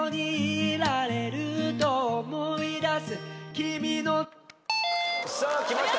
「君の」さあきました